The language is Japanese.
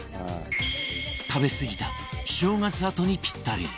食べすぎた正月あとにぴったり